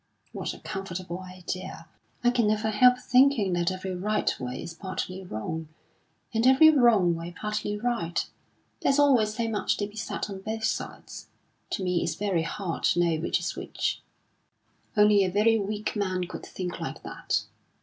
"What a comfortable idea! I can never help thinking that every right way is partly wrong, and every wrong way partly right. There's always so much to be said on both sides; to me it's very hard to know which is which." "Only a very weak man could think like that."